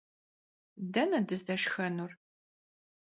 Dene dızdeşşxenur?